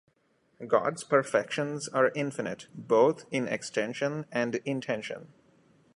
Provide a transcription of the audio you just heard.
God's Perfections are infinite both in extension and intention.